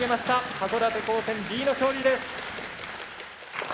函館高専Ｂの勝利です。